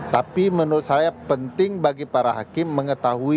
tapi menurut saya penting bagi para hakim mengetahui